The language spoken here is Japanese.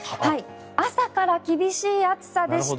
朝から厳しい暑さでした。